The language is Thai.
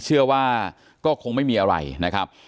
เชื่อว่าก็คงไม่มีอะไรนะครับ